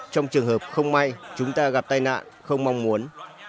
trong trường hợp không may chúng ta gặp tai nạn không mong muốn